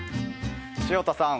潮田さん